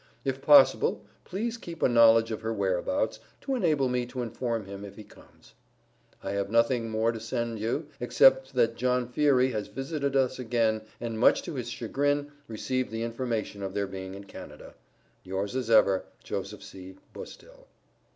If possible, please keep a knowledge of her whereabouts, to enable me to inform him if he comes. _I have nothing more to send you, except that John Fiery has visited us again and much to his chagrin received the information of their being in Canada_. Yours as ever, Jos. C. Bustill.